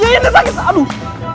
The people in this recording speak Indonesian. ya ya ya sakit aduh